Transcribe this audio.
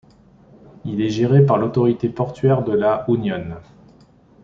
Il est géré par l'Autorité portuaire de La Unión.